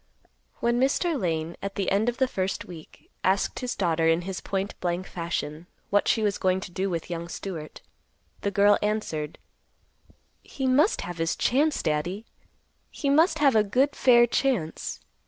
When Mr. Lane, at the end of the first week, asked his daughter, in his point blank fashion, what she was going to do with young Stewart, the girl answered, "He must have his chance, Daddy. He mast have a good fair chance.